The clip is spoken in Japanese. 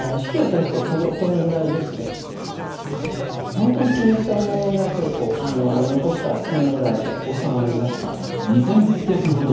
本当に気に入ったものだけを残したらこのぐらいで収まりました。